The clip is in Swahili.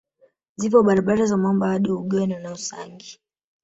Zipo barabara za Mwanga hadi Ugweno na Usangi